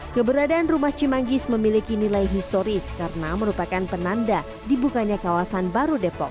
keberadaan rumah cimanggis memiliki nilai historis karena merupakan penanda dibukanya kawasan baru depok